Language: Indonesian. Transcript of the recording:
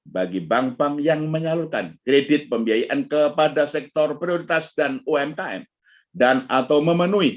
bagi bank bank yang menyalurkan kredit pembiayaan kepada sektor prioritas dan umkm dan atau memenuhi